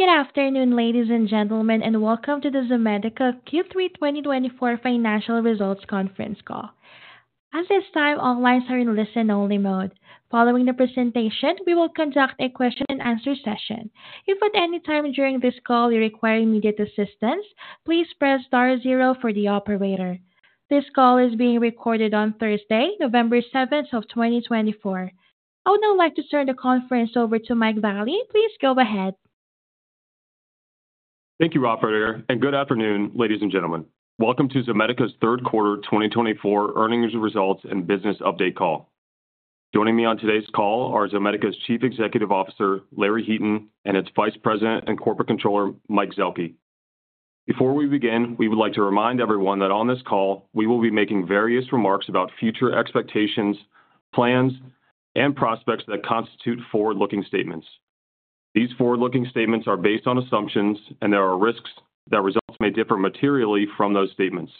Good afternoon, ladies and gentlemen, and welcome to the Zomedica Q3 2024 Financial Results Conference Call. At this time, all lines are in listen-only mode. Following the presentation, we will conduct a question-and-answer session. If at any time during this call you require immediate assistance, please press star zero for the operator. This call is being recorded on Thursday, November 7th, 2024. I would now like to turn the conference over to Mike Valle. Please go ahead. Thank you, Robert, and good afternoon, ladies and gentlemen. Welcome to Zomedica's Third Quarter 2024 Earnings Results and Business Update call. Joining me on today's call are Zomedica's Chief Executive Officer, Larry Heaton, and its Vice President and Corporate Controller, Mike Zuehlke. Before we begin, we would like to remind everyone that on this call we will be making various remarks about future expectations, plans, and prospects that constitute forward-looking statements. These forward-looking statements are based on assumptions, and there are risks that results may differ materially from those statements.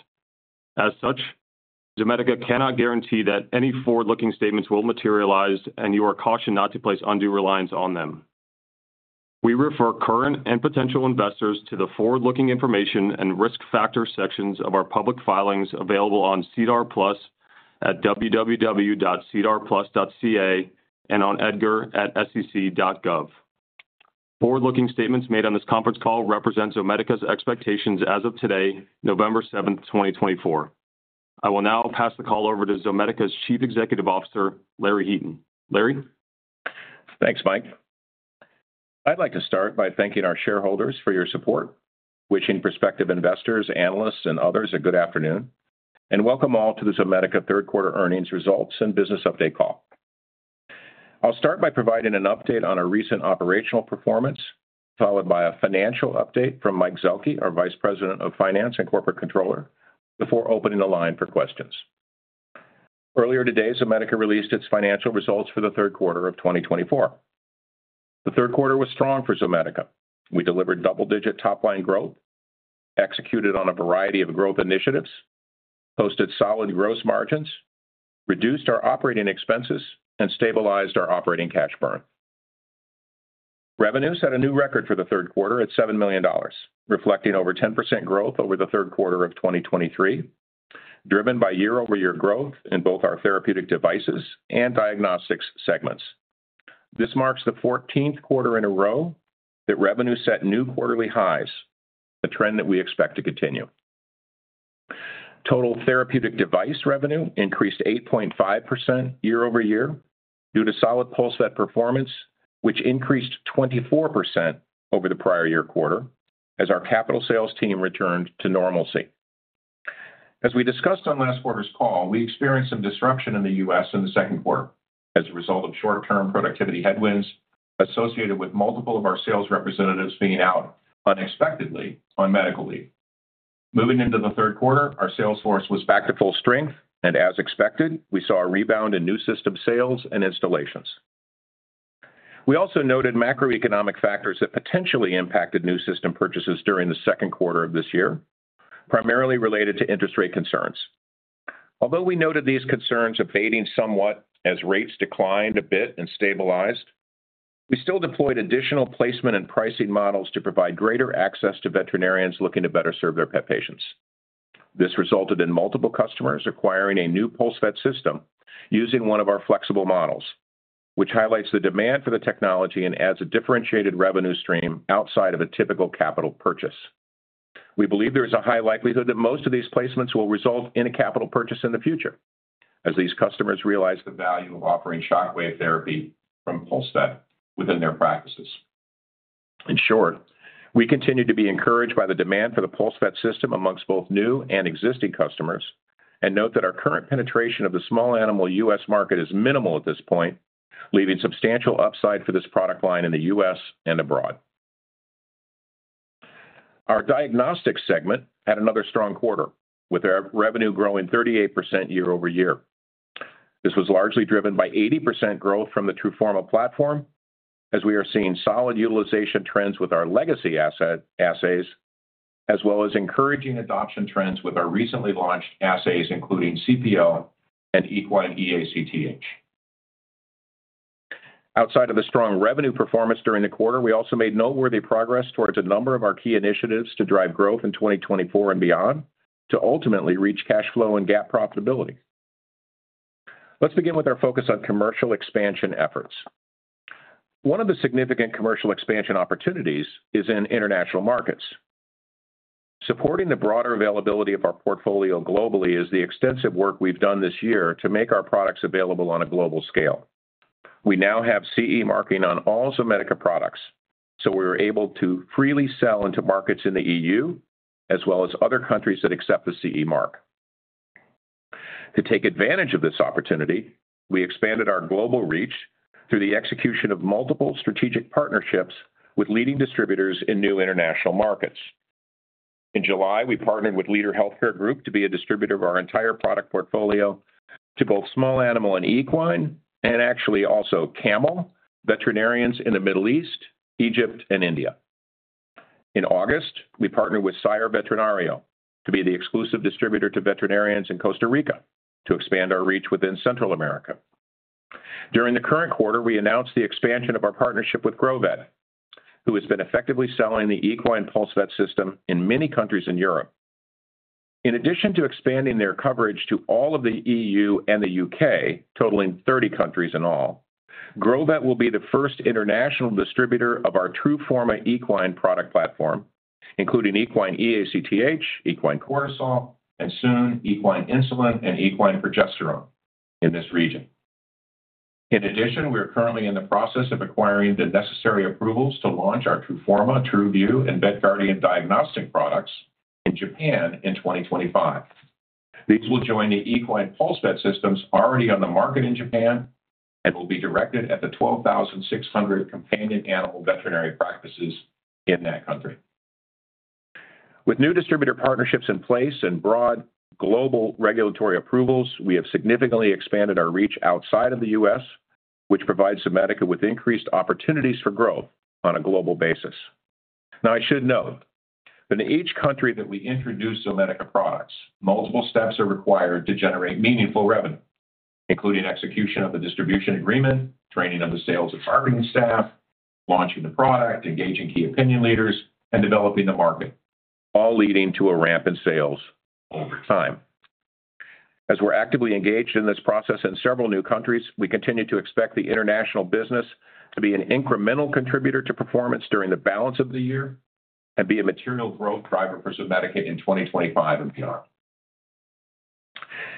As such, Zomedica cannot guarantee that any forward-looking statements will materialize, and you are cautioned not to place undue reliance on them. We refer current and potential investors to the forward-looking information and risk factor sections of our public filings available on SEDAR+ at www.sedarplus.ca and on EDGAR at sec.gov. Forward-looking statements made on this conference call represent Zomedica's expectations as of today, November 7th, 2024. I will now pass the call over to Zomedica's Chief Executive Officer, Larry Heaton. Larry. Thanks, Mike. I'd like to start by thanking our shareholders for your support, wishing prospective investors, analysts, and others a good afternoon, and welcome all to the Zomedica third quarter earnings results and business update call. I'll start by providing an update on our recent operational performance, followed by a financial update from Mike Zuehlke, our Vice President of Finance and Corporate Controller, before opening the line for questions. Earlier today, Zomedica released its financial results for the third quarter of 2024. The third quarter was strong for Zomedica. We delivered double-digit top-line growth, executed on a variety of growth initiatives, posted solid gross margins, reduced our operating expenses, and stabilized our operating cash burn. Revenues set a new record for the third quarter at $7 million, reflecting over 10% growth over the third quarter of 2023, driven by year-over-year growth in both our therapeutic devices and diagnostics segments. This marks the 14th quarter in a row that revenues set new quarterly highs, a trend that we expect to continue. Total therapeutic device revenue increased 8.5% year-over-year due to solid PulseVet performance, which increased 24% over the prior year quarter as our capital sales team returned to normalcy. As we discussed on last quarter's call, we experienced some disruption in the U.S. in the second quarter as a result of short-term productivity headwinds associated with multiple of our sales representatives being out unexpectedly on medical leave. Moving into the third quarter, our sales force was back to full strength, and as expected, we saw a rebound in new system sales and installations. We also noted macroeconomic factors that potentially impacted new system purchases during the second quarter of this year, primarily related to interest rate concerns. Although we noted these concerns abating somewhat as rates declined a bit and stabilized, we still deployed additional placement and pricing models to provide greater access to veterinarians looking to better serve their pet patients. This resulted in multiple customers acquiring a new PulseVet system using one of our flexible models, which highlights the demand for the technology and adds a differentiated revenue stream outside of a typical capital purchase. We believe there is a high likelihood that most of these placements will result in a capital purchase in the future, as these customers realize the value of offering shockwave therapy from PulseVet within their practices. In short, we continue to be encouraged by the demand for the PulseVet system amongst both new and existing customers and note that our current penetration of the small animal U.S. market is minimal at this point, leaving substantial upside for this product line in the U.S. and abroad. Our diagnostics segment had another strong quarter, with our revenue growing 38% year-over-year. This was largely driven by 80% growth from the TRUFORMA platform, as we are seeing solid utilization trends with our legacy assays, as well as encouraging adoption trends with our recently launched assays, including cPL and Equine eACTH. Outside of the strong revenue performance during the quarter, we also made noteworthy progress towards a number of our key initiatives to drive growth in 2024 and beyond to ultimately reach cash flow and GAAP profitability. Let's begin with our focus on commercial expansion efforts. One of the significant commercial expansion opportunities is in international markets. Supporting the broader availability of our portfolio globally is the extensive work we've done this year to make our products available on a global scale. We now have CE marking on all Zomedica products, so we were able to freely sell into markets in the EU as well as other countries that accept the CE mark. To take advantage of this opportunity, we expanded our global reach through the execution of multiple strategic partnerships with leading distributors in new international markets. In July, we partnered with Leader Healthcare Group to be a distributor of our entire product portfolio to both small animal and equine, and actually also camel veterinarians in the Middle East, Egypt, and India. In August, we partnered with Sire Veterinario to be the exclusive distributor to veterinarians in Costa Rica to expand our reach within Central America. During the current quarter, we announced the expansion of our partnership with Grovet, who has been effectively selling the Equine PulseVet system in many countries in Europe. In addition to expanding their coverage to all of the EU and the UK, totaling 30 countries in all, Grovet will be the first international distributor of our TRUFORMA Equine product platform, including Equine eACTH, Equine Cortisol, and soon Equine Insulin and Equine Progesterone in this region. In addition, we are currently in the process of acquiring the necessary approvals to launch our TRUFORMA, TRUVIEW, and VETGuardian diagnostic products in Japan in 2025. These will join the Equine PulseVet systems already on the market in Japan and will be directed at the 12,600 companion animal veterinary practices in that country. With new distributor partnerships in place and broad global regulatory approvals, we have significantly expanded our reach outside of the U.S., which provides Zomedica with increased opportunities for growth on a global basis. Now, I should note that in each country that we introduce Zomedica products, multiple steps are required to generate meaningful revenue, including execution of the distribution agreement, training of the sales and marketing staff, launching the product, engaging key opinion leaders, and developing the market, all leading to a ramp in sales over time. As we're actively engaged in this process in several new countries, we continue to expect the international business to be an incremental contributor to performance during the balance of the year and be a material growth driver for Zomedica in 2025 and beyond.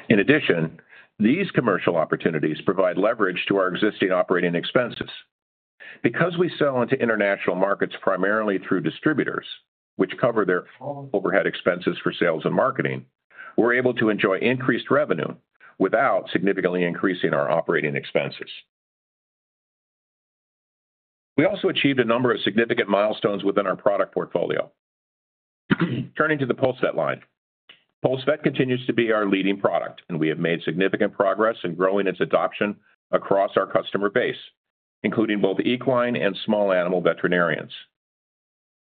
In addition, these commercial opportunities provide leverage to our existing operating expenses. Because we sell into international markets primarily through distributors, which cover their own overhead expenses for sales and marketing, we're able to enjoy increased revenue without significantly increasing our operating expenses. We also achieved a number of significant milestones within our product portfolio. Turning to the PulseVet line, PulseVet continues to be our leading product, and we have made significant progress in growing its adoption across our customer base, including both equine and small animal veterinarians.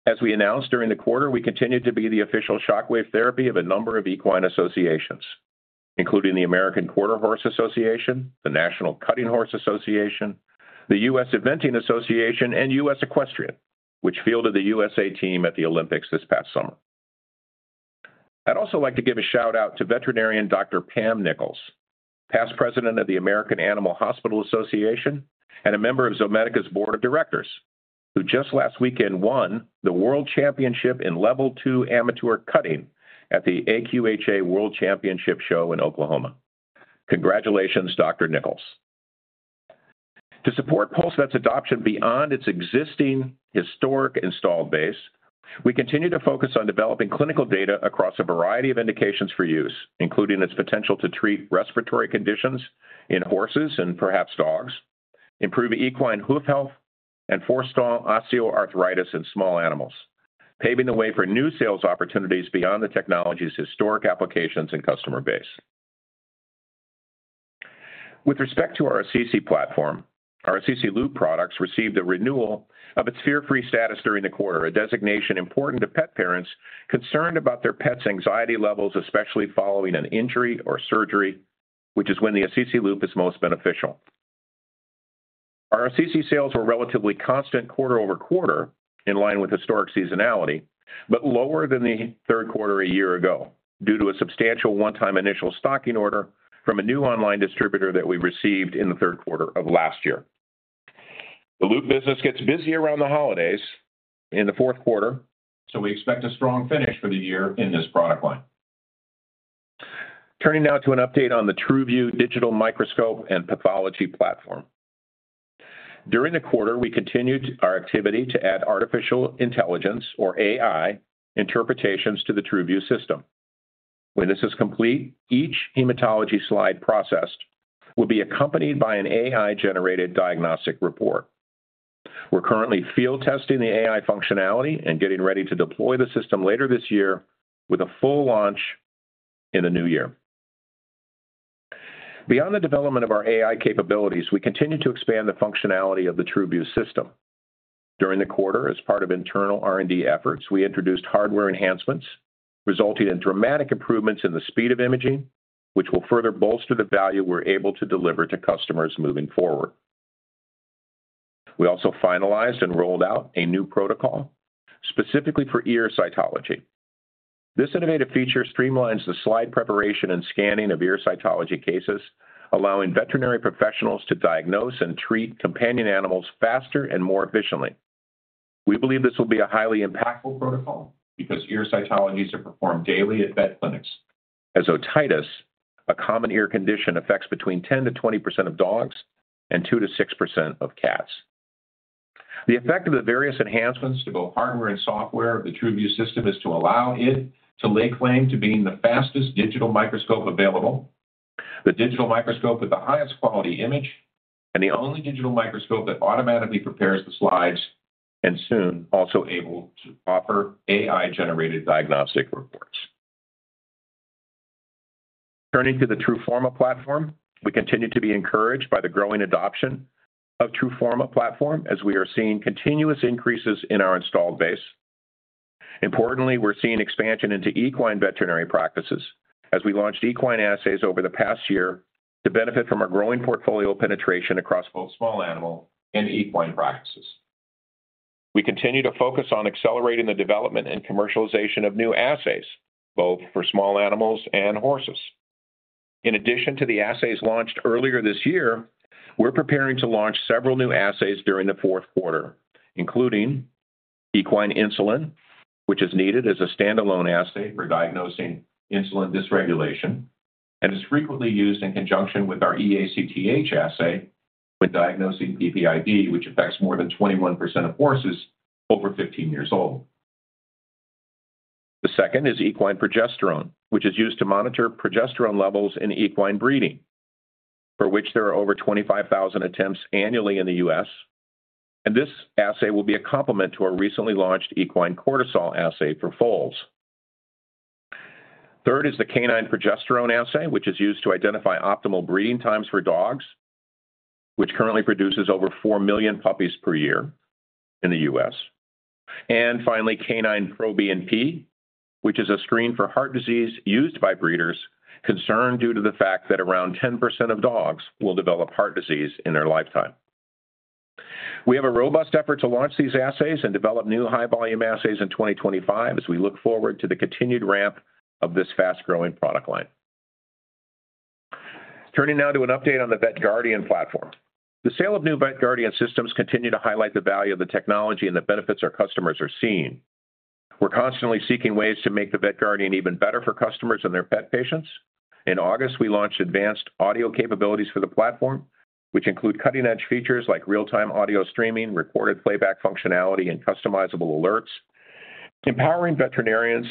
As we announced during the quarter, we continue to be the official shockwave therapy of a number of equine associations, including the American Quarter Horse Association, the National Cutting Horse Association, the U.S. Eventing Association, and U.S. Equestrian, which fielded the USA team at the Olympics this past summer. I'd also like to give a shout-out to veterinarian Dr. Pam Nichols, past president of the American Animal Hospital Association, and a member of Zomedica's Board of Directors, who just last weekend won the World Championship in Level 2 Amateur Cutting at the AQHA World Championship Show in Oklahoma. Congratulations, Dr. Nichols. To support PulseVet's adoption beyond its existing historic installed base, we continue to focus on developing clinical data across a variety of indications for use, including its potential to treat respiratory conditions in horses and perhaps dogs, improve equine hoof health, and forestall osteoarthritis in small animals, paving the way for new sales opportunities beyond the technology's historic applications and customer base. With respect to our Assisi platform, our Assisi LOOP products received a renewal of its Fear Free status during the quarter, a designation important to pet parents concerned about their pets' anxiety levels, especially following an injury or surgery, which is when the Assisi LOOP is most beneficial. Our Assisi sales were relatively constant quarter over quarter, in line with historic seasonality, but lower than the third quarter a year ago due to a substantial one-time initial stocking order from a new online distributor that we received in the third quarter of last year. The LOOP business gets busy around the holidays in the fourth quarter, so we expect a strong finish for the year in this product line. Turning now to an update on the TRUVIEW Digital Microscope and Pathology platform. During the quarter, we continued our activity to add artificial intelligence, or AI, interpretations to the TRUVIEW system. When this is complete, each hematology slide processed will be accompanied by an AI-generated diagnostic report. We're currently field testing the AI functionality and getting ready to deploy the system later this year with a full launch in the new year. Beyond the development of our AI capabilities, we continue to expand the functionality of the TRUVIEW system. During the quarter, as part of internal R&D efforts, we introduced hardware enhancements, resulting in dramatic improvements in the speed of imaging, which will further bolster the value we're able to deliver to customers moving forward. We also finalized and rolled out a new protocol specifically for ear cytology. This innovative feature streamlines the slide preparation and scanning of ear cytology cases, allowing veterinary professionals to diagnose and treat companion animals faster and more efficiently. We believe this will be a highly impactful protocol because ear cytologies are performed daily at vet clinics, as otitis, a common ear condition, affects between 10%-20% of dogs and 2%-6% of cats. The effect of the various enhancements to both hardware and software of the TRUVIEW system is to allow it to lay claim to being the fastest digital microscope available, the digital microscope with the highest quality image, and the only digital microscope that automatically prepares the slides and soon also able to offer AI-generated diagnostic reports. Turning to the TRUFORMA platform, we continue to be encouraged by the growing adoption of TRUFORMA platform as we are seeing continuous increases in our installed base. Importantly, we're seeing expansion into equine veterinary practices as we launched equine assays over the past year to benefit from our growing portfolio penetration across both small animal and equine practices. We continue to focus on accelerating the development and commercialization of new assays, both for small animals and horses. In addition to the assays launched earlier this year, we're preparing to launch several new assays during the fourth quarter, including Equine Insulin, which is needed as a standalone assay for diagnosing insulin dysregulation and is frequently used in conjunction with our eACTH assay when diagnosing PPID, which affects more than 21% of horses over 15 years old. The second is Equine Progesterone, which is used to monitor progesterone levels in equine breeding, for which there are over 25,000 attempts annually in the U.S., and this assay will be a complement to our recently launched Equine Cortisol assay for foals. Third is the Canine Progesterone assay, which is used to identify optimal breeding times for dogs, which currently produces over 4 million puppies per year in the U.S. Finally, Canine proBNP, which is a screen for heart disease used by breeders concerned due to the fact that around 10% of dogs will develop heart disease in their lifetime. We have a robust effort to launch these assays and develop new high-volume assays in 2025 as we look forward to the continued ramp of this fast-growing product line. Turning now to an update on the VETGuardian platform. The sale of new VETGuardian systems continues to highlight the value of the technology and the benefits our customers are seeing. We're constantly seeking ways to make the VETGuardian even better for customers and their pet patients. In August, we launched advanced audio capabilities for the platform, which include cutting-edge features like real-time audio streaming, recorded playback functionality, and customizable alerts, empowering veterinarians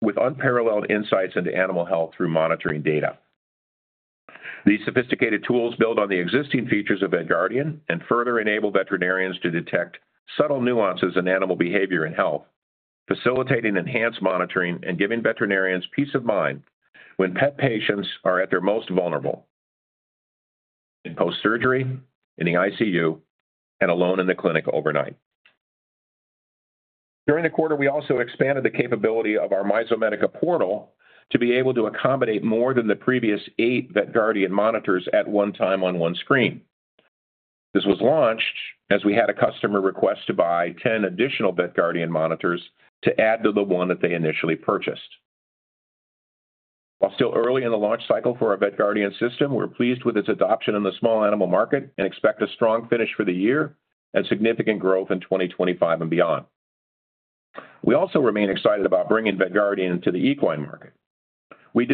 with unparalleled insights into animal health through monitoring data. These sophisticated tools build on the existing features of VETGuardian and further enable veterinarians to detect subtle nuances in animal behavior and health, facilitating enhanced monitoring and giving veterinarians peace of mind when pet patients are at their most vulnerable in post-surgery, in the ICU, and alone in the clinic overnight. During the quarter, we also expanded the capability of our myZomedica portal to be able to accommodate more than the previous eight VETGuardian monitors at one time on one screen. This was launched as we had a customer request to buy 10 additional VETGuardian monitors to add to the one that they initially purchased. While still early in the launch cycle for our VETGuardian system, we're pleased with its adoption in the small animal market and expect a strong finish for the year and significant growth in 2025 and beyond. We also remain excited about bringing VETGuardian into the equine market. We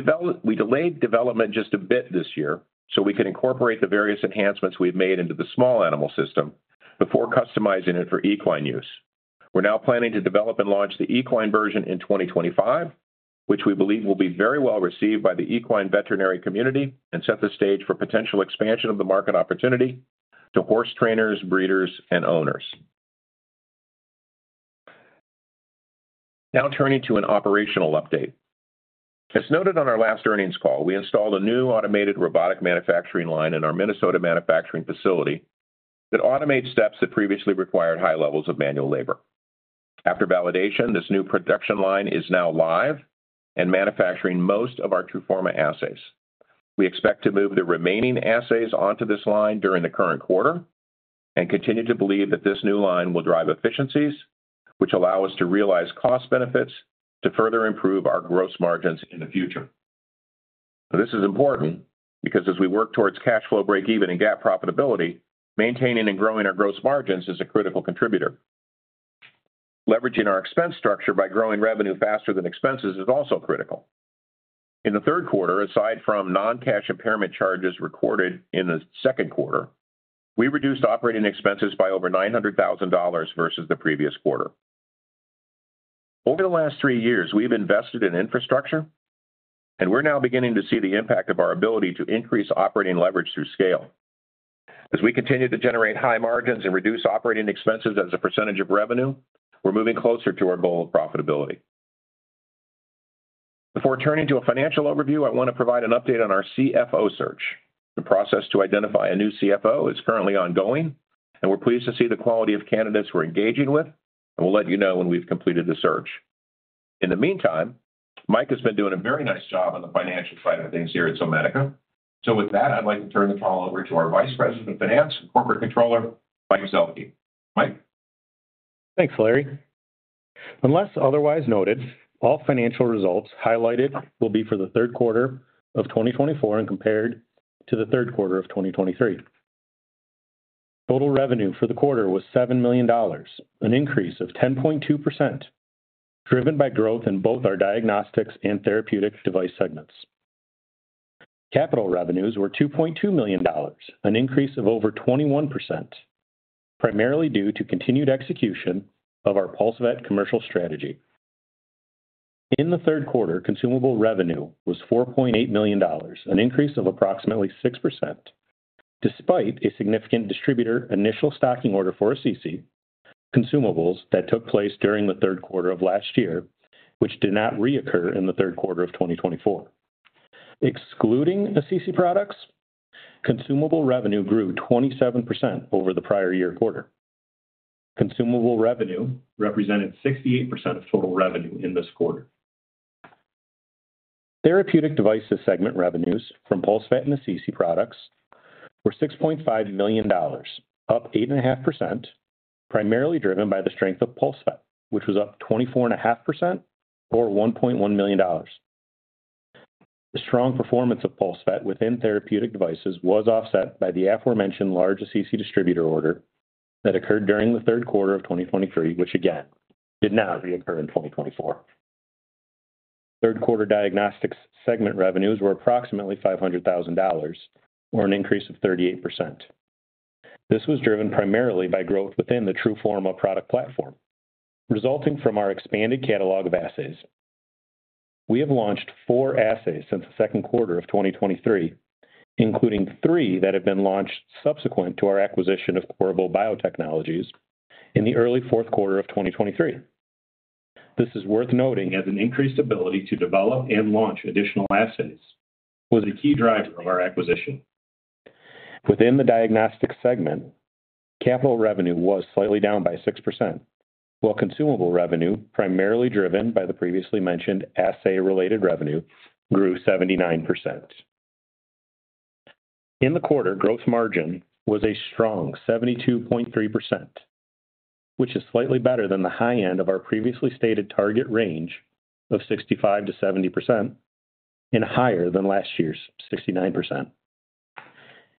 delayed development just a bit this year so we can incorporate the various enhancements we've made into the small animal system before customizing it for equine use. We're now planning to develop and launch the equine version in 2025, which we believe will be very well received by the equine veterinary community and set the stage for potential expansion of the market opportunity to horse trainers, breeders, and owners. Now turning to an operational update. As noted on our last earnings call, we installed a new automated robotic manufacturing line in our Minnesota manufacturing facility that automates steps that previously required high levels of manual labor. After validation, this new production line is now live and manufacturing most of our TRUFORMA assays. We expect to move the remaining assays onto this line during the current quarter and continue to believe that this new line will drive efficiencies, which allow us to realize cost benefits to further improve our gross margins in the future. This is important because as we work towards cash flow break-even and GAAP profitability, maintaining and growing our gross margins is a critical contributor. Leveraging our expense structure by growing revenue faster than expenses is also critical. In the third quarter, aside from non-cash impairment charges recorded in the second quarter, we reduced operating expenses by over $900,000 versus the previous quarter. Over the last three years, we've invested in infrastructure, and we're now beginning to see the impact of our ability to increase operating leverage through scale. As we continue to generate high margins and reduce operating expenses as a percentage of revenue, we're moving closer to our goal of profitability. Before turning to a financial overview, I want to provide an update on our CFO search. The process to identify a new CFO is currently ongoing, and we're pleased to see the quality of candidates we're engaging with, and we'll let you know when we've completed the search. In the meantime, Mike has been doing a very nice job on the financial side of things here at Zomedica. So with that, I'd like to turn the call over to our Vice President of Finance and Corporate Controller, Mike Zuehlke. Mike. Thanks, Larry. Unless otherwise noted, all financial results highlighted will be for the third quarter of 2024 and compared to the third quarter of 2023. Total revenue for the quarter was $7 million, an increase of 10.2%, driven by growth in both our diagnostics and therapeutic device segments. Capital revenues were $2.2 million, an increase of over 21%, primarily due to continued execution of our PulseVet commercial strategy. In the third quarter, consumable revenue was $4.8 million, an increase of approximately 6%, despite a significant distributor initial stocking order for Assisi consumables that took place during the third quarter of last year, which did not reoccur in the third quarter of 2024. Excluding Assisi products, consumable revenue grew 27% over the prior year quarter. Consumable revenue represented 68% of total revenue in this quarter. Therapeutic devices segment revenues from PulseVet and Assisi products were $6.5 million, up 8.5%, primarily driven by the strength of PulseVet, which was up 24.5%, or $1.1 million. The strong performance of PulseVet within therapeutic devices was offset by the aforementioned large Assisi distributor order that occurred during the third quarter of 2023, which again did not reoccur in 2024. Third quarter diagnostics segment revenues were approximately $500,000, or an increase of 38%. This was driven primarily by growth within the TRUFORMA product platform, resulting from our expanded catalog of assays. We have launched four assays since the second quarter of 2023, including three that have been launched subsequent to our acquisition of Qorvo Biotechnologies in the early fourth quarter of 2023. This is worth noting as an increased ability to develop and launch additional assays was a key driver of our acquisition. Within the diagnostics segment, capital revenue was slightly down by 6%, while consumable revenue, primarily driven by the previously mentioned assay-related revenue, grew 79%. In the quarter, gross margin was a strong 72.3%, which is slightly better than the high end of our previously stated target range of 65%-70% and higher than last year's 69%.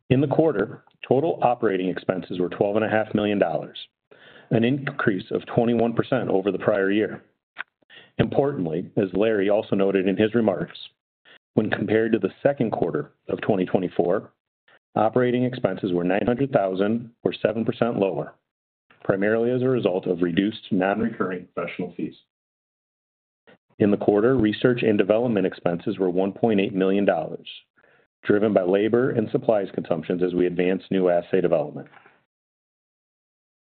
In the quarter, total operating expenses were $12.5 million, an increase of 21% over the prior year. Importantly, as Larry also noted in his remarks, when compared to the second quarter of 2024, operating expenses were $900,000, or 7% lower, primarily as a result of reduced non-recurring professional fees. In the quarter, research and development expenses were $1.8 million, driven by labor and supplies consumptions as we advanced new assay development.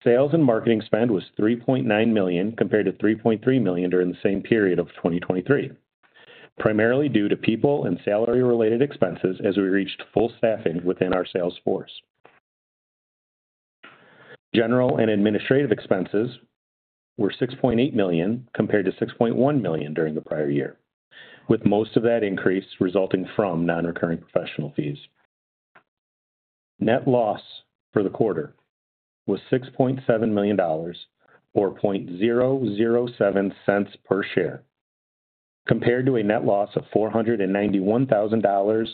Sales and marketing spend was $3.9 million compared to $3.3 million during the same period of 2023, primarily due to people and salary-related expenses as we reached full staffing within our sales force. General and administrative expenses were $6.8 million compared to $6.1 million during the prior year, with most of that increase resulting from non-recurring professional fees. Net loss for the quarter was $6.7 million, or $0.007 per share, compared to a net loss of $491,000,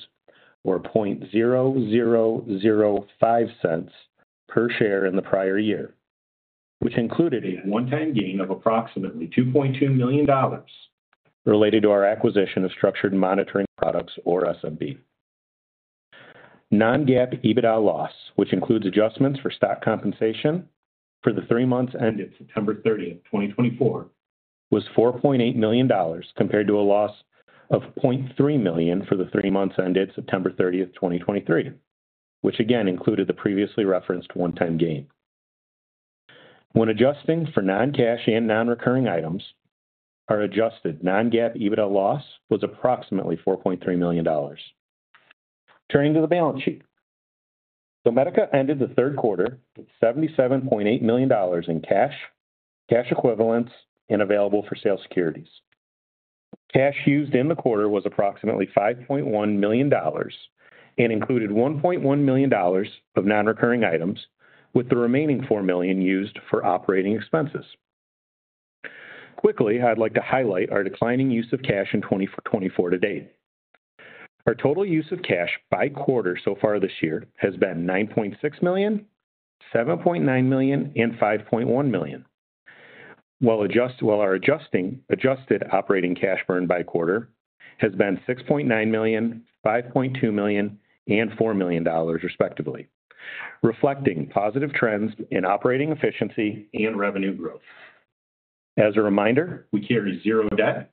or $0.005 per share in the prior year, which included a one-time gain of approximately $2.2 million related to our acquisition of Structured Monitoring Products, or SMP. Non-GAAP EBITDA loss, which includes adjustments for stock compensation for the three months ended September 30, 2024, was $4.8 million compared to a loss of $0.3 million for the three months ended September 30, 2023, which again included the previously referenced one-time gain. When adjusting for non-cash and non-recurring items, our adjusted non-GAAP EBITDA loss was approximately $4.3 million. Turning to the balance sheet, Zomedica ended the third quarter with $77.8 million in cash, cash equivalents, and available for sale securities. Cash used in the quarter was approximately $5.1 million and included $1.1 million of non-recurring items, with the remaining $4 million used for operating expenses. Quickly, I'd like to highlight our declining use of cash in 2024 to date. Our total use of cash by quarter so far this year has been $9.6 million, $7.9 million, and $5.1 million, while our adjusted operating cash burn by quarter has been $6.9 million, $5.2 million, and $4 million, respectively, reflecting positive trends in operating efficiency and revenue growth. As a reminder, we carry zero debt.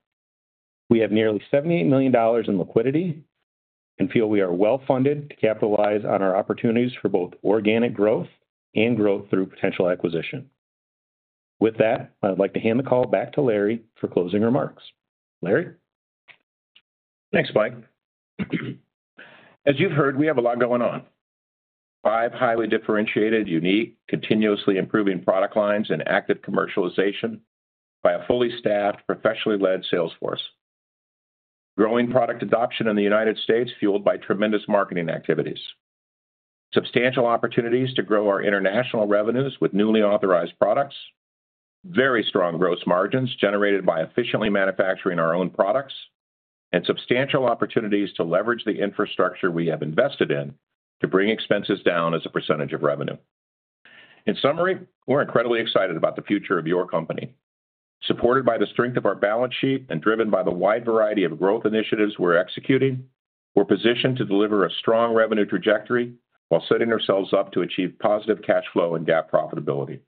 We have nearly $78 million in liquidity and feel we are well-funded to capitalize on our opportunities for both organic growth and growth through potential acquisition. With that, I'd like to hand the call back to Larry for closing remarks. Larry. Thanks, Mike. As you've heard, we have a lot going on. Five highly differentiated, unique, continuously improving product lines and active commercialization by a fully staffed, professionally led sales force. Growing product adoption in the United States fueled by tremendous marketing activities. Substantial opportunities to grow our international revenues with newly authorized products. Very strong gross margins generated by efficiently manufacturing our own products and substantial opportunities to leverage the infrastructure we have invested in to bring expenses down as a percentage of revenue. In summary, we're incredibly excited about the future of your company. Supported by the strength of our balance sheet and driven by the wide variety of growth initiatives we're executing, we're positioned to deliver a strong revenue trajectory while setting ourselves up to achieve positive cash flow and GAAP profitability.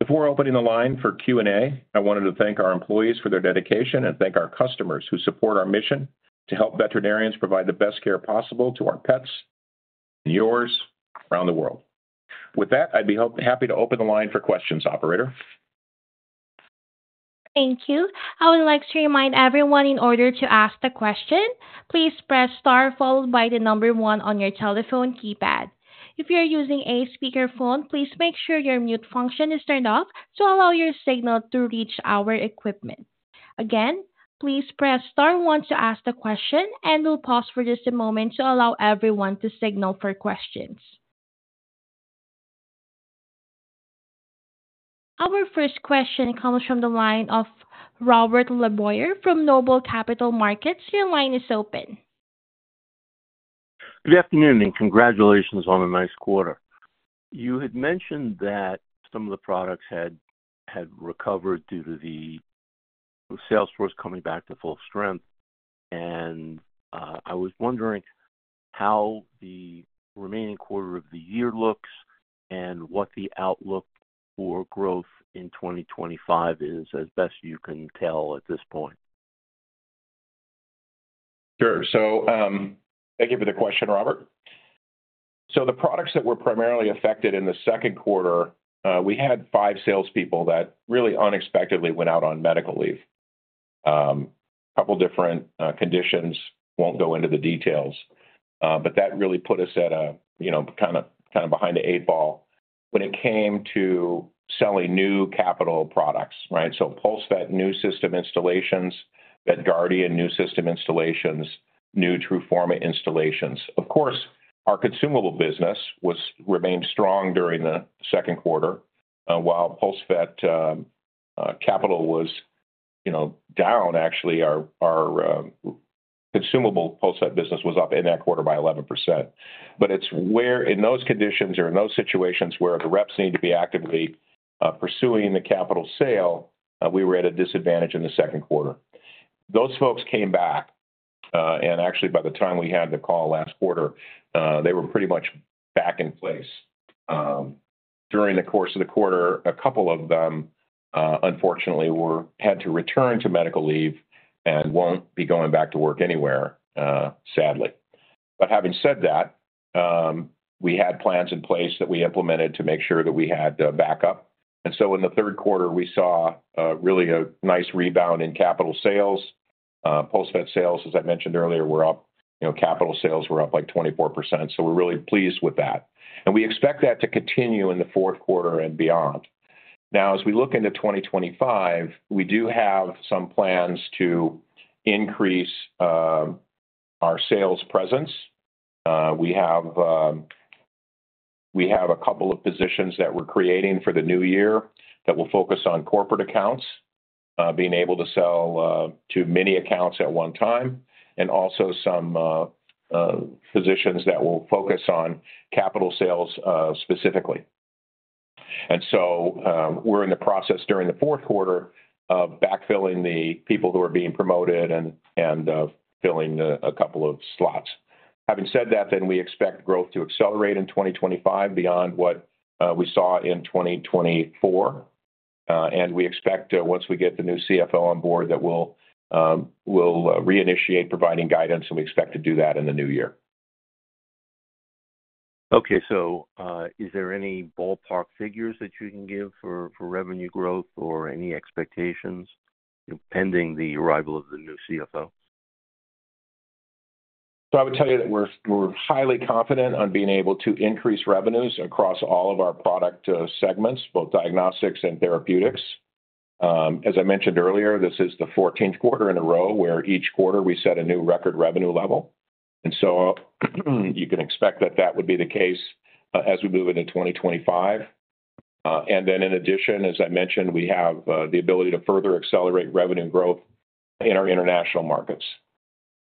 Before opening the line for Q&A, I wanted to thank our employees for their dedication and thank our customers who support our mission to help veterinarians provide the best care possible to our pets and yours around the world. With that, I'd be happy to open the line for questions, Operator. Thank you. I would like to remind everyone in order to ask the question, please press star followed by the number one on your telephone keypad. If you're using a speakerphone, please make sure your mute function is turned off to allow your signal to reach our equipment. Again, please press star one to ask the question, and we'll pause for just a moment to allow everyone to signal for questions. Our first question comes from the line of Robert LeBoyer from Noble Capital Markets. Your line is open. Good afternoon and congratulations on a nice quarter. You had mentioned that some of the products had recovered due to the sales force coming back to full strength, and I was wondering how the remaining quarter of the year looks and what the outlook for growth in 2025 is, as best you can tell at this point. Sure. So thank you for the question, Robert. So the products that were primarily affected in the second quarter, we had five salespeople that really unexpectedly went out on medical leave. A couple of different conditions, won't go into the details, but that really put us at a kind of behind the eight ball when it came to selling new capital products, right? So PulseVet new system installations, VETGuardian new system installations, new TRUFORMA installations. Of course, our consumable business remained strong during the second quarter while PulseVet capital was down. Actually, our consumable PulseVet business was up in that quarter by 11%. But it's where in those conditions or in those situations where the reps need to be actively pursuing the capital sale, we were at a disadvantage in the second quarter. Those folks came back, and actually, by the time we had the call last quarter, they were pretty much back in place. During the course of the quarter, a couple of them, unfortunately, had to return to medical leave and won't be going back to work anywhere, sadly. But having said that, we had plans in place that we implemented to make sure that we had backup. And so in the third quarter, we saw really a nice rebound in capital sales. PulseVet sales, as I mentioned earlier, were up. Capital sales were up like 24%. So we're really pleased with that. And we expect that to continue in the fourth quarter and beyond. Now, as we look into 2025, we do have some plans to increase our sales presence. We have a couple of positions that we're creating for the new year that will focus on corporate accounts, being able to sell to many accounts at one time, and also some positions that will focus on capital sales specifically. And so we're in the process during the fourth quarter of backfilling the people who are being promoted and filling a couple of slots. Having said that, then we expect growth to accelerate in 2025 beyond what we saw in 2024. And we expect once we get the new CFO on board that we'll reinitiate providing guidance, and we expect to do that in the new year. Okay. So is there any ballpark figures that you can give for revenue growth or any expectations pending the arrival of the new CFO? So I would tell you that we're highly confident on being able to increase revenues across all of our product segments, both diagnostics and therapeutics. As I mentioned earlier, this is the 14th quarter in a row where each quarter we set a new record revenue level. And so you can expect that that would be the case as we move into 2025. And then, in addition, as I mentioned, we have the ability to further accelerate revenue growth in our international markets.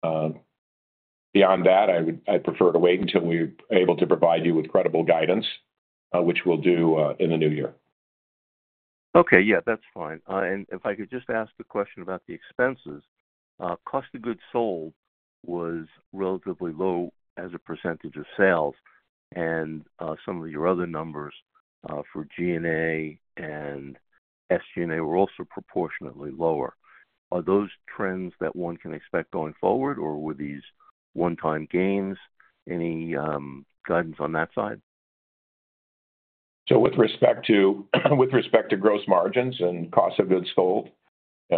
Beyond that, I'd prefer to wait until we're able to provide you with credible guidance, which we'll do in the new year. Okay. Yeah, that's fine. If I could just ask the question about the expenses, cost of goods sold was relatively low as a percentage of sales, and some of your other numbers for G&A and SG&A were also proportionately lower. Are those trends that one can expect going forward, or were these one-time gains? Any guidance on that side? With respect to gross margins and cost of goods sold,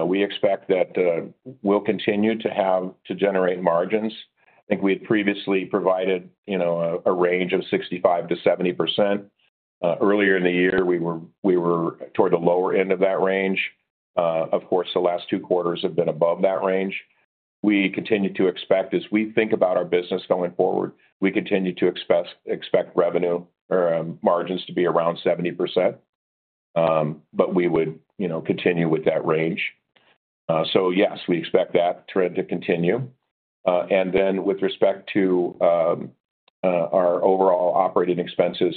we expect that we'll continue to generate margins. I think we had previously provided a range of 65%-70%. Earlier in the year, we were toward the lower end of that range. Of course, the last two quarters have been above that range. We continue to expect, as we think about our business going forward, we continue to expect revenue margins to be around 70%, but we would continue with that range. Yes, we expect that trend to continue. And then with respect to our overall operating expenses,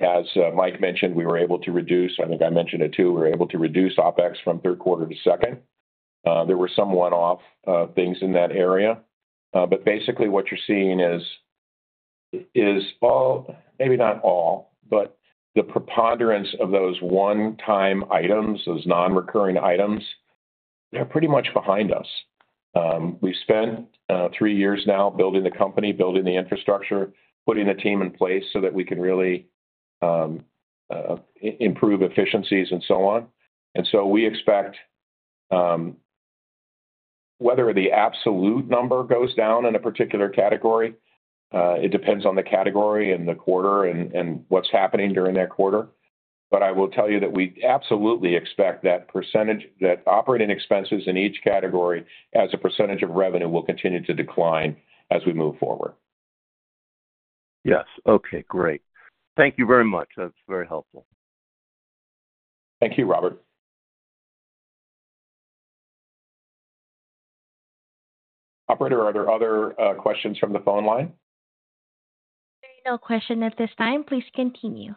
as Mike mentioned, we were able to reduce, I think I mentioned it too, we were able to reduce OpEx from third quarter to second. There were some one-off things in that area. But basically, what you're seeing is, maybe not all, but the preponderance of those one-time items, those non-recurring items, they're pretty much behind us. We've spent three years now building the company, building the infrastructure, putting the team in place so that we can really improve efficiencies and so on. And so we expect whether the absolute number goes down in a particular category, it depends on the category and the quarter and what's happening during that quarter. But I will tell you that we absolutely expect that operating expenses in each category as a percentage of revenue will continue to decline as we move forward. Yes. Okay. Great. Thank you very much. That's very helpful. Thank you, Robert. Operator, are there other questions from the phone line? There are no questions at this time. Please continue.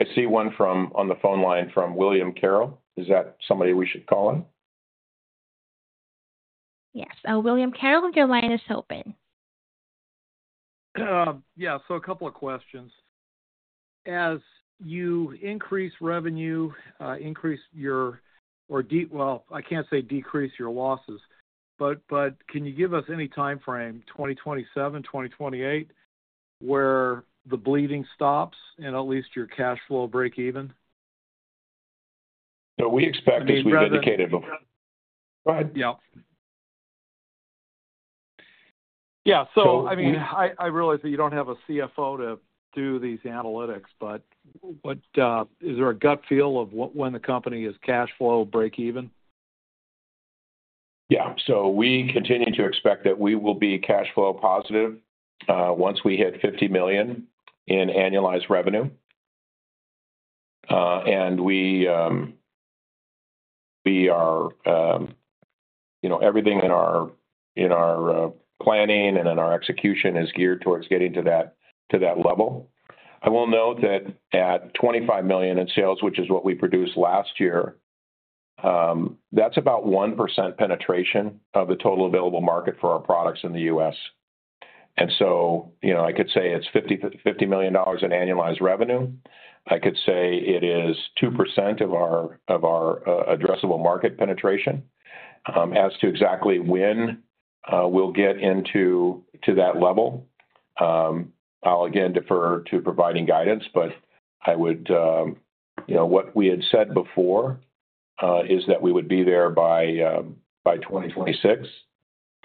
I see one on the phone line from William Carroll. Is that somebody we should call in? Yes. William Carroll, your line is open. Yeah. So a couple of questions. As you increase revenue, increase your - well, I can't say decrease your losses, but can you give us any timeframe, 2027, 2028, where the bleeding stops and at least your cash flow breaks even? So we expect as we've indicated before. Go ahead. Yeah. Yeah. So I mean, I realize that you don't have a CFO to do these analytics, but is there a gut feel of when the company is cash flow break-even? Yeah. We continue to expect that we will be cash flow positive once we hit $50 million in annualized revenue. And everything in our planning and in our execution is geared towards getting to that level. I will note that at $25 million in sales, which is what we produced last year, that's about 1% penetration of the total available market for our products in the U.S. And so I could say it's $50 million in annualized revenue. I could say it is 2% of our addressable market penetration. As to exactly when we'll get into that level, I'll again defer to providing guidance, but I would, what we had said before is that we would be there by 2026.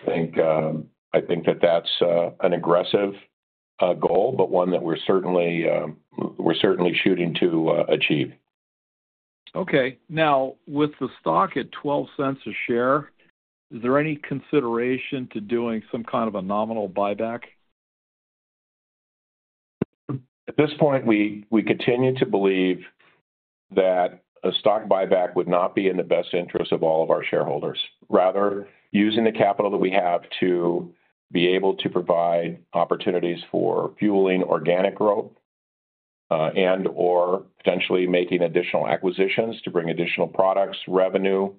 I think that that's an aggressive goal, but one that we're certainly shooting to achieve. Okay. Now, with the stock at $0.12 a share, is there any consideration to doing some kind of a nominal buyback? At this point, we continue to believe that a stock buyback would not be in the best interest of all of our shareholders. Rather, using the capital that we have to be able to provide opportunities for fueling organic growth and/or potentially making additional acquisitions to bring additional products, revenue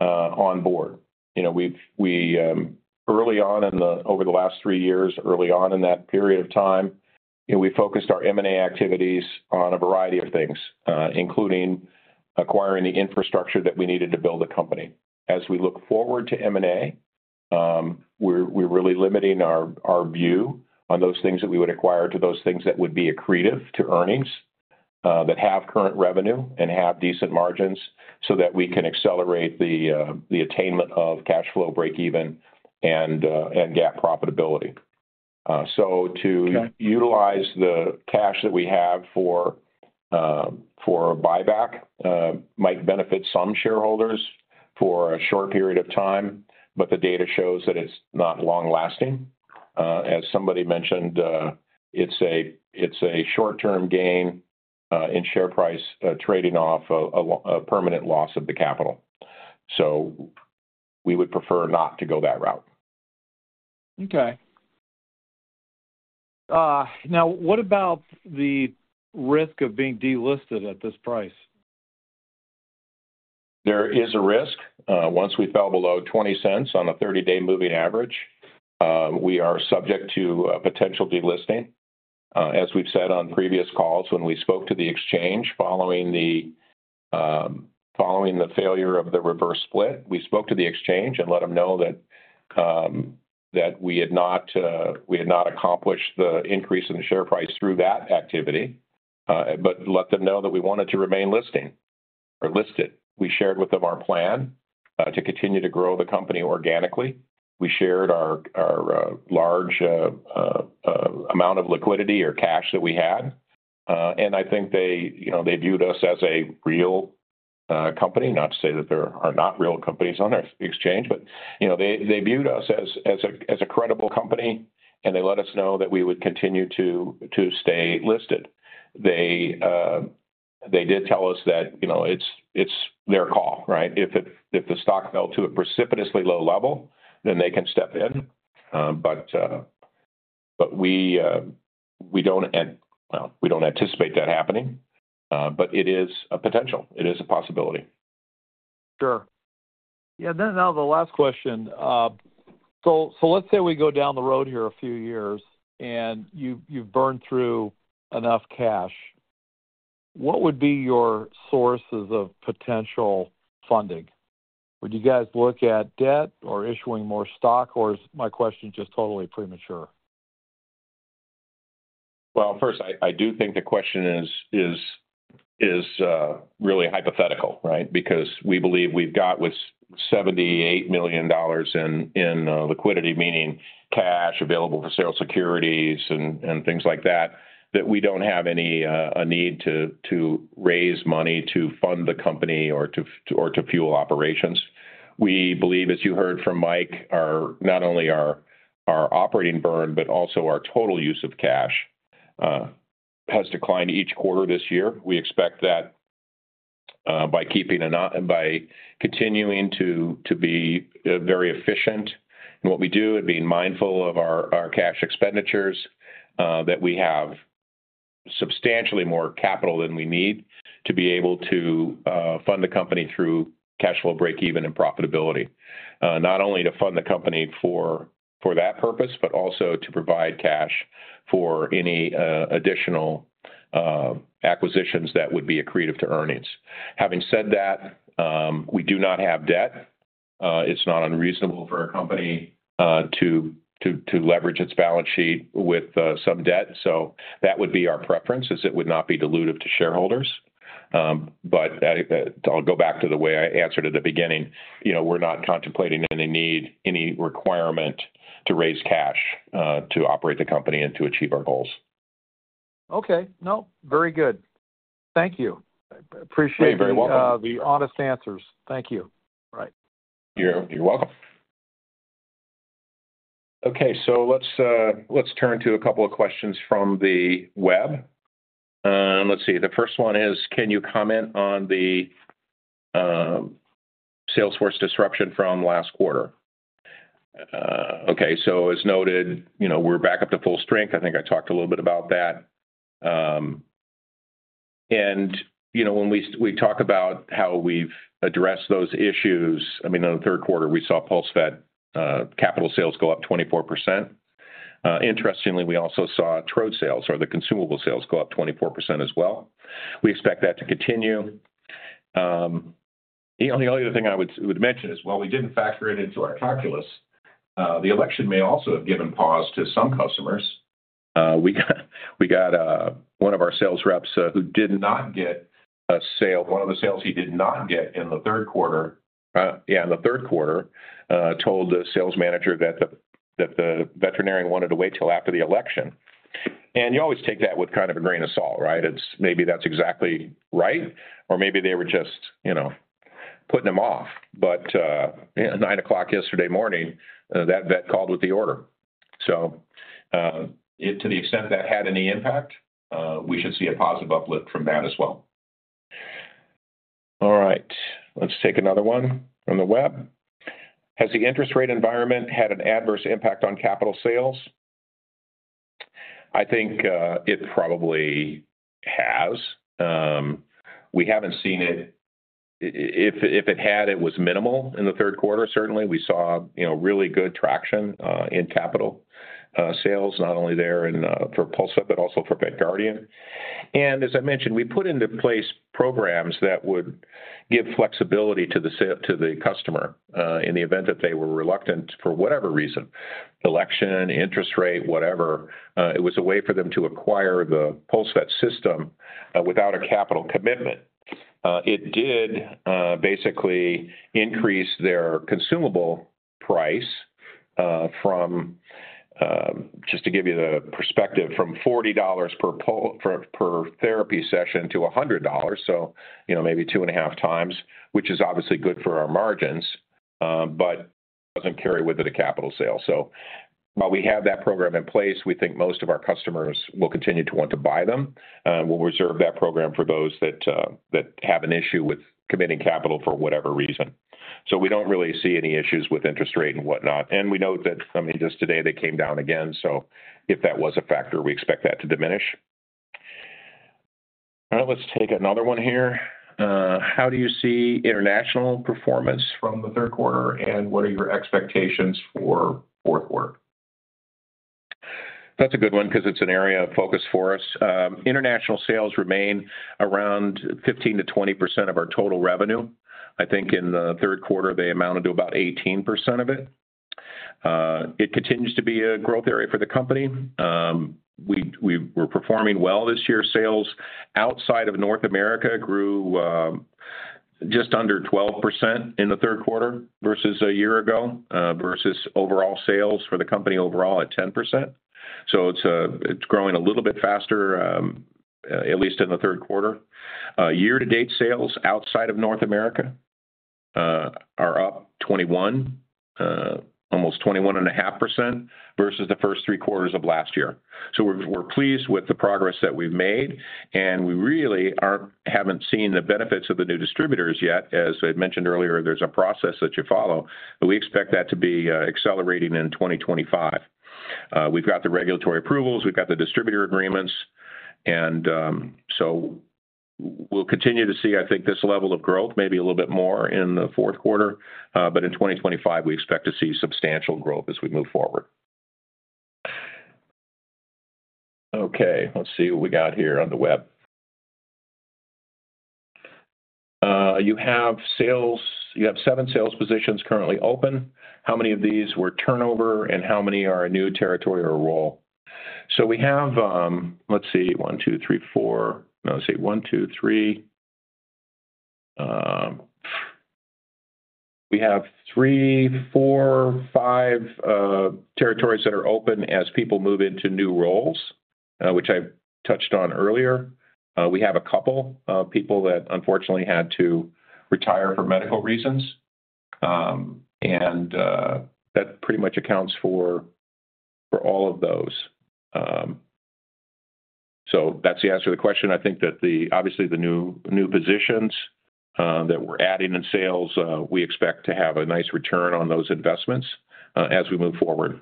on board. Early on in the, over the last three years, early on in that period of time, we focused our M&A activities on a variety of things, including acquiring the infrastructure that we needed to build the company. As we look forward to M&A, we're really limiting our view on those things that we would acquire to those things that would be accretive to earnings, that have current revenue and have decent margins so that we can accelerate the attainment of cash flow break-even and GAAP profitability. So to utilize the cash that we have for a buyback might benefit some shareholders for a short period of time, but the data shows that it's not long-lasting. As somebody mentioned, it's a short-term gain in share price trading off a permanent loss of the capital. So we would prefer not to go that route. Okay. Now, what about the risk of being delisted at this price? There is a risk. Once we fell below $0.20 on a 30-day moving average, we are subject to potential delisting. As we've said on previous calls when we spoke to the exchange following the failure of the reverse split, we spoke to the exchange and let them know that we had not accomplished the increase in the share price through that activity, but let them know that we wanted to remain listing or listed. We shared with them our plan to continue to grow the company organically. We shared our large amount of liquidity or cash that we had, and I think they viewed us as a real company, not to say that there are not real companies on our exchange, but they viewed us as a credible company, and they let us know that we would continue to stay listed. They did tell us that it's their call, right? If the stock fell to a precipitously low level, then they can step in. But we don't anticipate that happening, but it is a potential. It is a possibility. Sure. Yeah. Now, the last question. So let's say we go down the road here a few years, and you've burned through enough cash. What would be your sources of potential funding? Would you guys look at debt or issuing more stock, or is my question just totally premature? Well, first, I do think the question is really hypothetical, right? Because we believe we've got with $78 million in liquidity, meaning cash available for sales securities and things like that, that we don't have any need to raise money to fund the company or to fuel operations. We believe, as you heard from Mike, not only our operating burn, but also our total use of cash has declined each quarter this year. We expect that by continuing to be very efficient in what we do and being mindful of our cash expenditures, that we have substantially more capital than we need to be able to fund the company through cash flow break-even and profitability. Not only to fund the company for that purpose, but also to provide cash for any additional acquisitions that would be accretive to earnings. Having said that, we do not have debt. It's not unreasonable for a company to leverage its balance sheet with some debt. So that would be our preference, as it would not be dilutive to shareholders. But I'll go back to the way I answered at the beginning. We're not contemplating any requirement to raise cash to operate the company and to achieve our goals. Okay. No, very good. Thank you. I appreciate the honest answers. Thank you. All right. You're welcome. Okay. So let's turn to a couple of questions from the web. Let's see. The first one is, can you comment on the sales force disruption from last quarter? Okay. So as noted, we're back up to full strength. I think I talked a little bit about that. And when we talk about how we've addressed those issues, I mean, in the third quarter, we saw PulseVet capital sales go up 24%. Interestingly, we also saw TRUFORMA sales, or the consumable sales, go up 24% as well. We expect that to continue. The only other thing I would mention is, while we didn't factor it into our calculus, the election may also have given pause to some customers. We got one of our sales reps who did not get a sale. One of the sales he did not get in the third quarter, yeah, in the third quarter, told the sales manager that the veterinarian wanted to wait till after the election. And you always take that with kind of a grain of salt, right? Maybe that's exactly right, or maybe they were just putting him off. But at 9:00 A.M. yesterday morning, that vet called with the order. So to the extent that had any impact, we should see a positive uplift from that as well. All right. Let's take another one from the web. Has the interest rate environment had an adverse impact on capital sales? I think it probably has. We haven't seen it. If it had, it was minimal in the third quarter. Certainly, we saw really good traction in capital sales, not only there for PulseVet, but also for VETGuardian. As I mentioned, we put into place programs that would give flexibility to the customer in the event that they were reluctant for whatever reason; election, interest rate, whatever. It was a way for them to acquire the PulseVet system without a capital commitment. It did basically increase their consumable price from, just to give you the perspective, from $40 per therapy session to $100, so maybe two and a half times, which is obviously good for our margins, but doesn't carry with it a capital sale. So while we have that program in place, we think most of our customers will continue to want to buy them. We'll reserve that program for those that have an issue with committing capital for whatever reason. So we don't really see any issues with interest rate and whatnot. And we note that, I mean, just today, they came down again. So if that was a factor, we expect that to diminish. All right. Let's take another one here. How do you see international performance from the third quarter, and what are your expectations for fourth quarter? That's a good one because it's an area of focus for us. International sales remain around 15%-20% of our total revenue. I think in the third quarter, they amounted to about 18% of it. It continues to be a growth area for the company. We were performing well this year. Sales outside of North America grew just under 12% in the third quarter versus a year ago, versus overall sales for the company overall at 10%. So it's growing a little bit faster, at least in the third quarter. Year-to-date sales outside of North America are up 21%, almost 21.5% versus the first three quarters of last year, so we're pleased with the progress that we've made, and we really haven't seen the benefits of the new distributors yet. As I mentioned earlier, there's a process that you follow, but we expect that to be accelerating in 2025. We've got the regulatory approvals. We've got the distributor agreements, and so we'll continue to see, I think, this level of growth, maybe a little bit more in the fourth quarter. But in 2025, we expect to see substantial growth as we move forward. Okay. Let's see what we got here on the web. You have seven sales positions currently open. How many of these were turnover, and how many are a new territory or a role? So we have, let's see, one, two, three, four. Let's see, one, two, three. We have three, four, five territories that are open as people move into new roles, which I touched on earlier. We have a couple of people that unfortunately had to retire for medical reasons, and that pretty much accounts for all of those, so that's the answer to the question. I think that, obviously, the new positions that we're adding in sales, we expect to have a nice return on those investments as we move forward.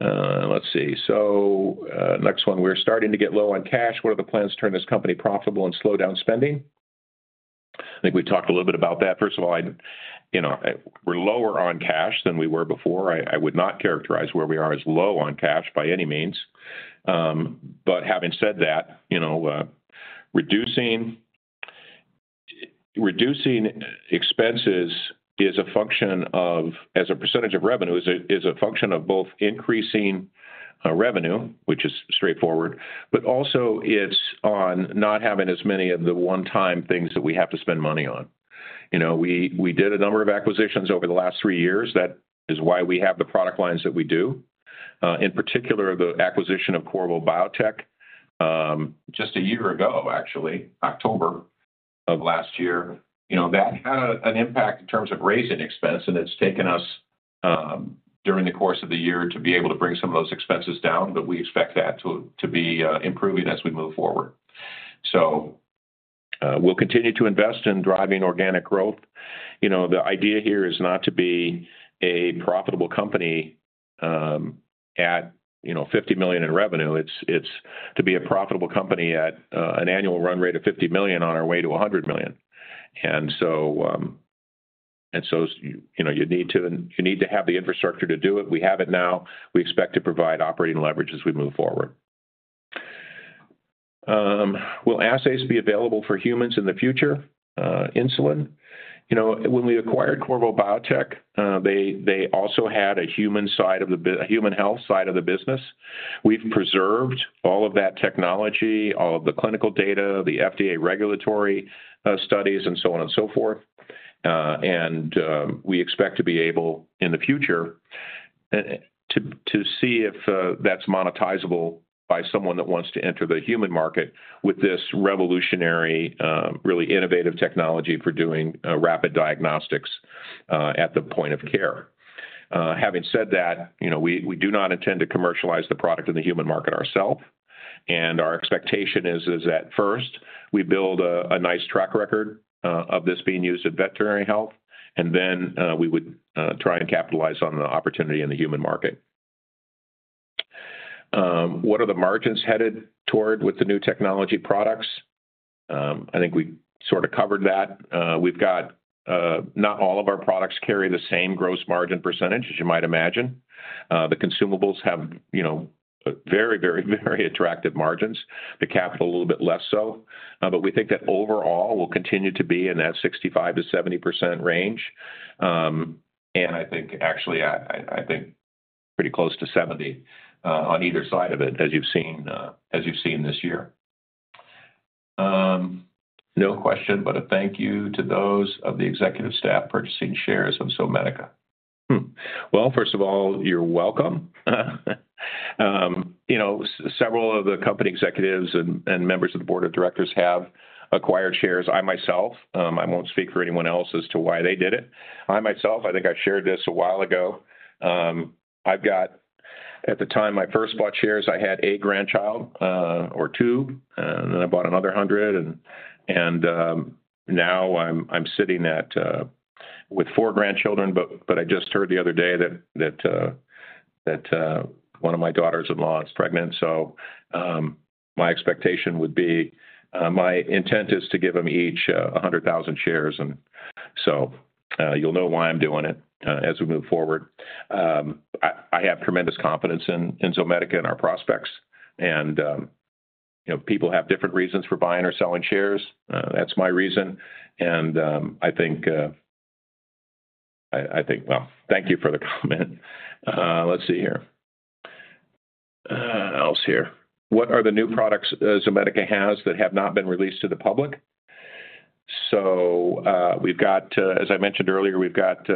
Let's see, so next one: We're starting to get low on cash. What are the plans to turn this company profitable and slow down spending? I think we talked a little bit about that. First of all, we're lower on cash than we were before. I would not characterize where we are as low on cash by any means. But having said that, reducing expenses as a percentage of revenue is a function of both increasing revenue, which is straightforward, but also it's on not having as many of the one-time things that we have to spend money on. We did a number of acquisitions over the last three years. That is why we have the product lines that we do. In particular, the acquisition of Qorvo Biotech just a year ago, actually, October of last year. That had an impact in terms of raising expense, and it's taken us during the course of the year to be able to bring some of those expenses down, but we expect that to be improving as we move forward. So we'll continue to invest in driving organic growth. The idea here is not to be a profitable company at $50 million in revenue. It's to be a profitable company at an annual run rate of $50 million on our way to $100 million. And so you need to have the infrastructure to do it. We have it now. We expect to provide operating leverage as we move forward. Will assays be available for humans in the future? Insulin. When we acquired Qorvo Biotechnologies, they also had a human health side of the business. We've preserved all of that technology, all of the clinical data, the FDA regulatory studies, and so on and so forth. And we expect to be able, in the future, to see if that's monetizable by someone that wants to enter the human market with this revolutionary, really innovative technology for doing rapid diagnostics at the point of care. Having said that, we do not intend to commercialize the product in the human market ourselves. And our expectation is that first, we build a nice track record of this being used in veterinary health, and then we would try and capitalize on the opportunity in the human market. What are the margins headed toward with the new technology products? I think we sort of covered that. Not all of our products carry the same gross margin percentage, as you might imagine. The consumables have very, very, very attractive margins. The capital, a little bit less so. But we think that overall, we'll continue to be in that 65%-70% range. And I think, actually, I think pretty close to 70% on either side of it, as you've seen this year. No question, but a thank you to those of the Executive Staff purchasing shares of Zomedica. Well, first of all, you're welcome. Several of the company executives and members of the Board of Directors have acquired shares. I myself, I won't speak for anyone else as to why they did it. I myself, I think I shared this a while ago. At the time I first bought shares, I had a grandchild or two, and then I bought another hundred, and now I'm sitting with four grandchildren, but I just heard the other day that one of my daughters-in-law is pregnant, so my expectation would be my intent is to give them each 100,000 shares, and so you'll know why I'm doing it as we move forward. I have tremendous confidence in Zomedica and our prospects, and people have different reasons for buying or selling shares. That's my reason, and I think, well, thank you for the comment. Let's see here. What are the new products Zomedica has that have not been released to the public? So as I mentioned earlier, we've got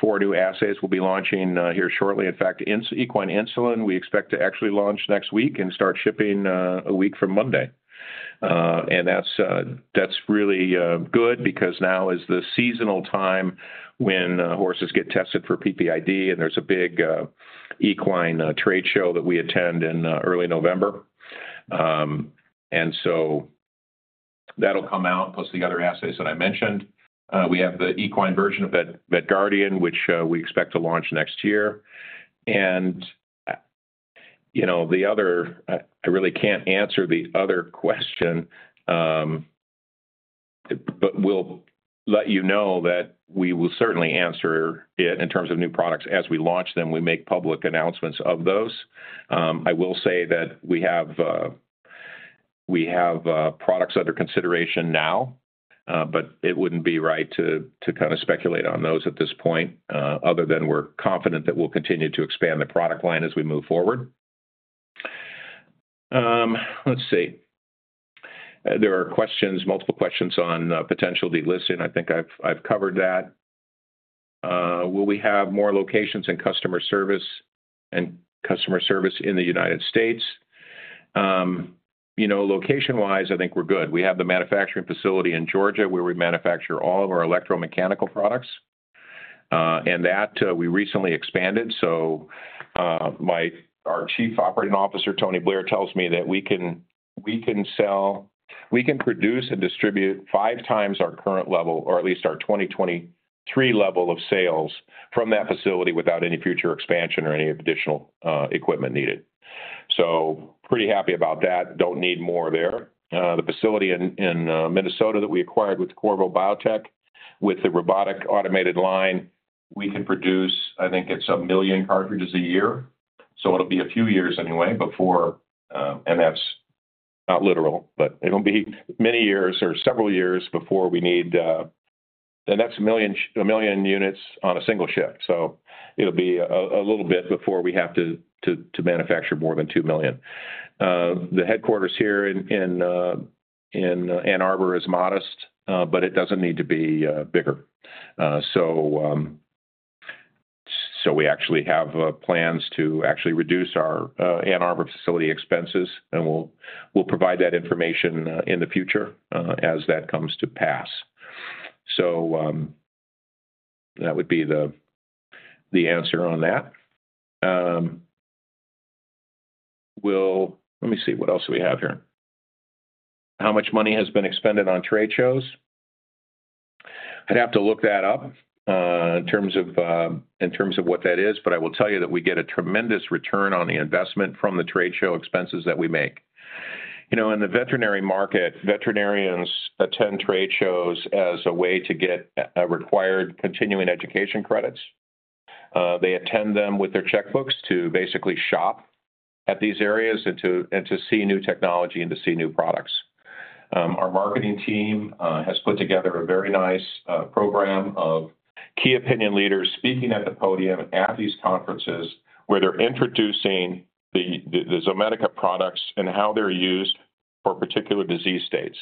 four new assays we'll be launching here shortly. In fact, equine insulin, we expect to actually launch next week and start shipping a week from Monday. And that's really good because now is the seasonal time when horses get tested for PPID, and there's a big equine trade show that we attend in early November. And so that'll come out plus the other assays that I mentioned. We have the equine version of VETGuardian, which we expect to launch next year. And I really can't answer the other question, but we'll let you know that we will certainly answer it in terms of new products as we launch them. We make public announcements of those. I will say that we have products under consideration now, but it wouldn't be right to kind of speculate on those at this point other than we're confident that we'll continue to expand the product line as we move forward. Let's see. There are multiple questions on potential delisting. I think I've covered that. Will we have more locations and customer service in the United States? Location-wise, I think we're good. We have the manufacturing facility in Georgia where we manufacture all of our electromechanical products, and that we recently expanded, so our Chief Operating Officer, Tony Blair, tells me that we can produce and distribute five times our current level, or at least our 2023 level of sales from that facility without any future expansion or any additional equipment needed, so pretty happy about that. Don't need more there. The facility in Minnesota that we acquired with Qorvo Biotechnologies, with the robotic automated line, we can produce. I think it's a million cartridges a year. So it'll be a few years anyway before, and that's not literal, but it'll be many years or several years before we need, and that's a million units on a single shift. So it'll be a little bit before we have to manufacture more than two million. The headquarters here in Ann Arbor is modest, but it doesn't need to be bigger. So we actually have plans to actually reduce our Ann Arbor facility expenses, and we'll provide that information in the future as that comes to pass. So that would be the answer on that. Let me see what else we have here. How much money has been expended on trade shows? I'd have to look that up in terms of what that is, but I will tell you that we get a tremendous return on the investment from the trade show expenses that we make. In the veterinary market, veterinarians attend trade shows as a way to get required continuing education credits. They attend them with their checkbooks to basically shop at these areas and to see new technology and to see new products. Our marketing team has put together a very nice program of key opinion leaders speaking at the podium at these conferences where they're introducing the Zomedica products and how they're used for particular disease states.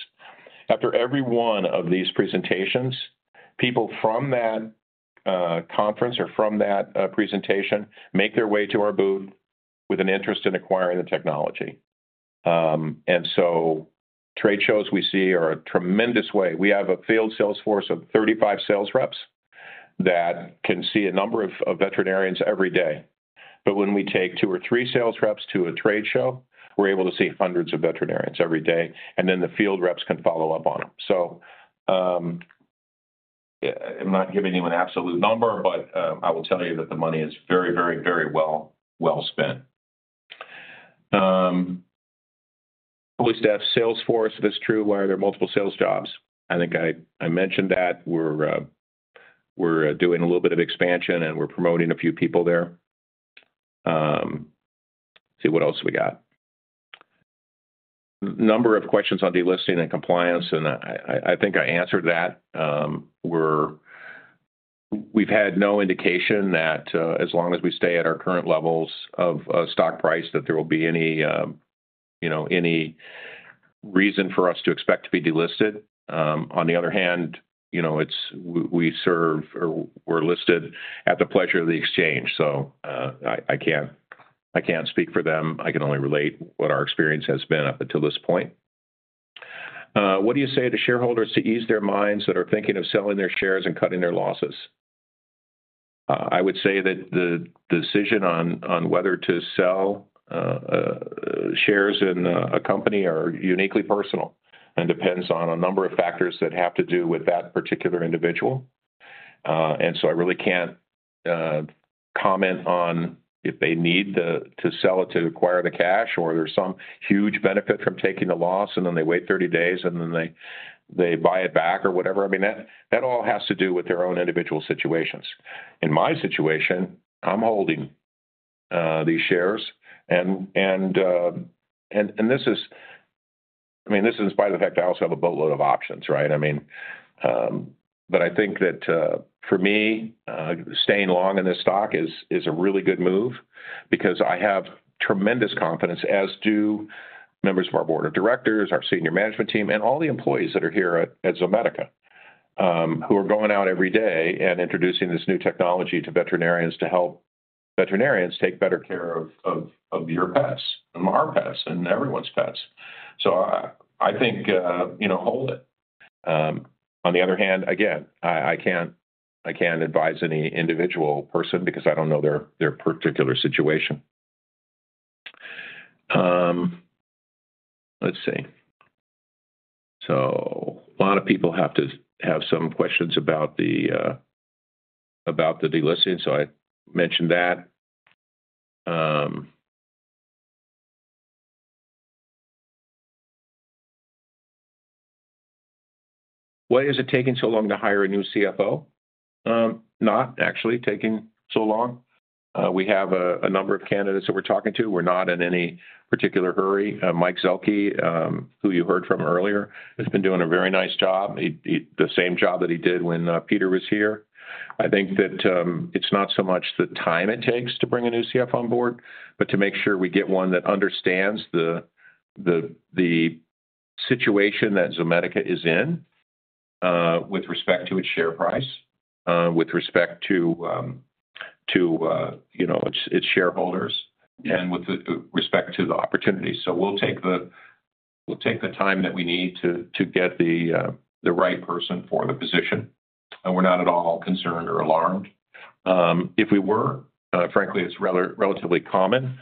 After every one of these presentations, people from that conference or from that presentation make their way to our booth with an interest in acquiring the technology. And so trade shows we see are a tremendous way. We have a field sales force of 35 sales reps that can see a number of veterinarians every day. But when we take two or three sales reps to a trade show, we're able to see hundreds of veterinarians every day, and then the field reps can follow up on them. So I'm not giving you an absolute number, but I will tell you that the money is very, very, very well spent. PulseVet sales force, if it's true, why are there multiple sales jobs? I think I mentioned that we're doing a little bit of expansion, and we're promoting a few people there. Let's see what else we got. Number of questions on delisting and compliance, and I think I answered that. We've had no indication that as long as we stay at our current levels of stock price, that there will be any reason for us to expect to be delisted. On the other hand, we serve or we're listed at the pleasure of the exchange. So I can't speak for them. I can only relate what our experience has been up until this point. What do you say to shareholders to ease their minds that are thinking of selling their shares and cutting their losses? I would say that the decision on whether to sell shares in a company are uniquely personal and depends on a number of factors that have to do with that particular individual. Sso I really can't comment on if they need to sell it to acquire the cash or there's some huge benefit from taking the loss and then they wait 30 days and then they buy it back or whatever. I mean, that all has to do with their own individual situations. In my situation, I'm holding these shares. And this is, I mean, this is in spite of the fact I also have a boatload of options, right? I mean, but I think that for me, staying long in this stock is a really good move because I have tremendous confidence, as do members of our Board of Directors, our senior management team, and all the employees that are here at Zomedica who are going out every day and introducing this new technology to veterinarians to help veterinarians take better care of your pets and our pets and everyone's pets. So I think hold it. On the other hand, again, I can't advise any individual person because I don't know their particular situation. Let's see. So a lot of people have to have some questions about the delisting. So I mentioned that. Why is it taking so long to hire a new CFO? Not actually taking so long. We have a number of candidates that we're talking to. We're not in any particular hurry. Mike Zuehlke, who you heard from earlier, has been doing a very nice job, the same job that he did when Peter was here. I think that it's not so much the time it takes to bring a new CFO on board, but to make sure we get one that understands the situation that Zomedica is in with respect to its share price, with respect to its shareholders, and with respect to the opportunity. So we'll take the time that we need to get the right person for the position. And we're not at all concerned or alarmed. If we were, frankly, it's relatively common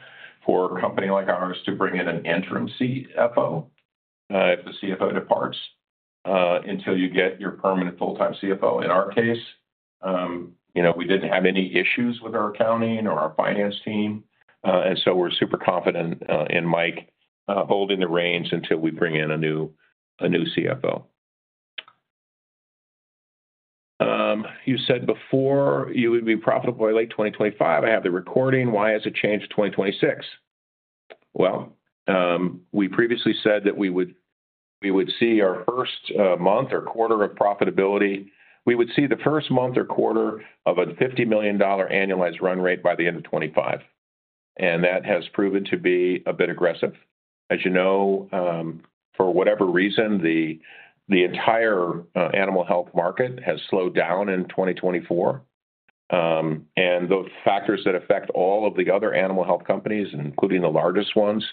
for a company like ours to bring in an interim CFO if the CFO departs until you get your permanent full-time CFO. In our case, we didn't have any issues with our accounting or our finance team. And so we're super confident in Mike holding the reins until we bring in a new CFO. You said before you would be profitable by late 2025. I have the recording. Why has it changed to 2026? Well, we previously said that we would see our first month or quarter of profitability. We would see the first month or quarter of a $50 million annualized run rate by the end of 2025. And that has proven to be a bit aggressive. As you know, for whatever reason, the entire animal health market has slowed down in 2024. And those factors that affect all of the other animal health companies, including the largest ones,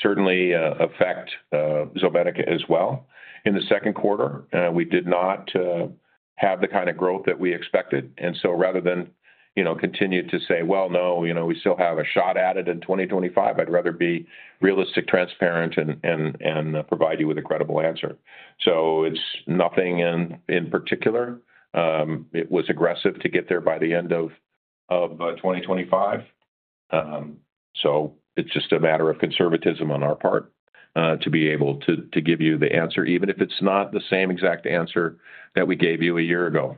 certainly affect Zomedica as well. In the second quarter, we did not have the kind of growth that we expected. And so rather than continue to say, "Well, no, we still have a shot at it in 2025," I'd rather be realistic, transparent, and provide you with a credible answer. So it's nothing in particular. It was aggressive to get there by the end of 2025. So it's just a matter of conservatism on our part to be able to give you the answer, even if it's not the same exact answer that we gave you a year ago.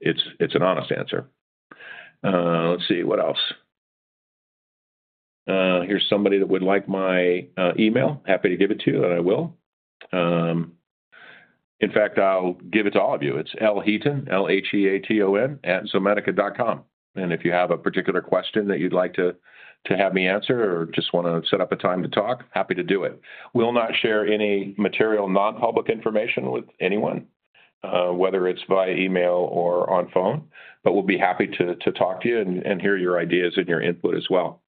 It's an honest answer. Let's see what else. Here's somebody that would like my email. Happy to give it to you, and I will. In fact, I'll give it to all of you. It's Lheaton, L-H-E-A-T-O-N, at zomedica.com. And if you have a particular question that you'd like to have me answer or just want to set up a time to talk, happy to do it. We'll not share any material non-public information with anyone, whether it's via email or on phone, but we'll be happy to talk to you and hear your ideas and your input as well.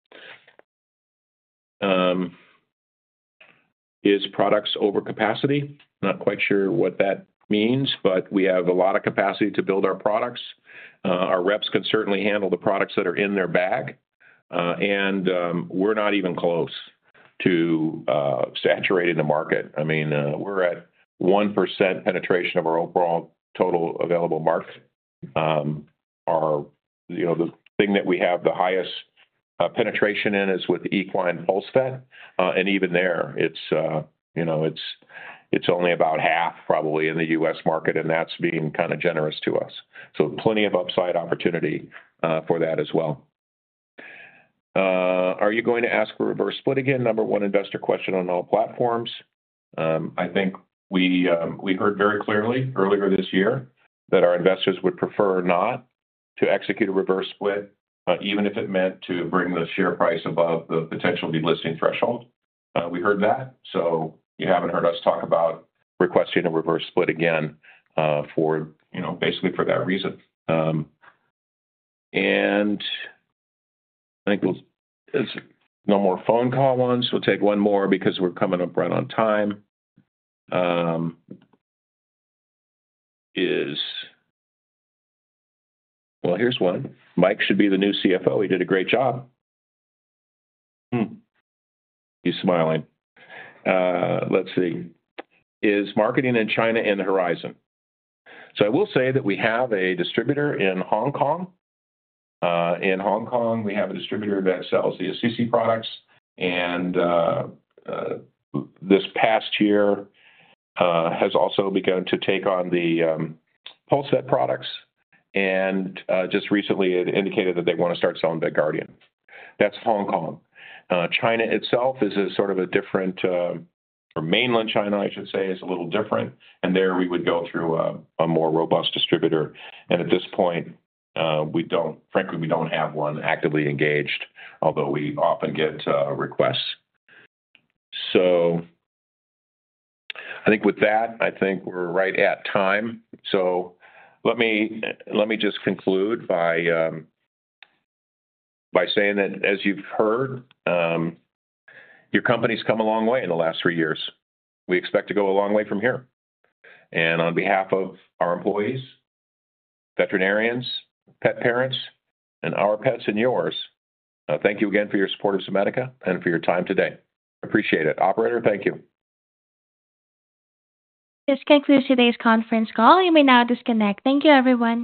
Is products over capacity? Not quite sure what that means, but we have a lot of capacity to build our products. Our reps can certainly handle the products that are in their bag. And we're not even close to saturating the market. I mean, we're at 1% penetration of our overall total available market. The thing that we have the highest penetration in is with equine PulseVet. And even there, it's only about half, probably, in the U.S. market, and that's being kind of generous to us. So plenty of upside opportunity for that as well. Are you going to ask a reverse split again? Number one investor question on all platforms. I think we heard very clearly earlier this year that our investors would prefer not to execute a reverse split, even if it meant to bring the share price above the potential delisting threshold. We heard that. So you haven't heard us talk about requesting a reverse split again for basically for that reason. And I think there's no more phone call ones. We'll take one more because we're coming up right on time. Well, here's one. Mike should be the new CFO. He did a great job. He's smiling. Let's see. Is marketing in China in the horizon? So I will say that we have a distributor in Hong Kong. In Hong Kong, we have a distributor that sells the Assisi products. And this past year has also begun to take on the PulseVet products. And just recently, it indicated that they want to start selling the VETGuardian. That's Hong Kong. China itself is a sort of a different or mainland China, I should say, is a little different. And there, we would go through a more robust distributor. And at this point, frankly, we don't have one actively engaged, although we often get requests. So I think with that, I think we're right at time. So let me just conclude by saying that, as you've heard, your company's come a long way in the last three years. We expect to go a long way from here. And on behalf of our employees, veterinarians, pet parents, and our pets and yours, thank you again for your support of Zomedica and for your time today. Appreciate it. Operator, thank you. This concludes today's conference call. You may now disconnect. Thank you, everyone.